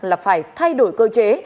là phải thay đổi cơ chế